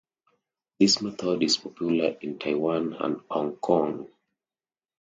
This method is popular in Taiwan and Hong Kong.